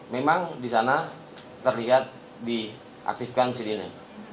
memang di sana terlihat diaktifkan sirine